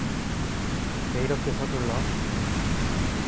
왜 이렇게 서둘러?